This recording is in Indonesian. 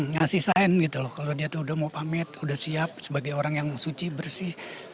ngasih sign gitu loh kalau dia tuh udah mau pamit udah siap sebagai orang yang suci bersih